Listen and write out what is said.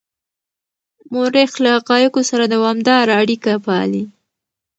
مورخ له حقایقو سره دوامداره اړیکه پالي.